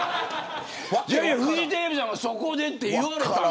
フジテレビさんにそこでって言われたから。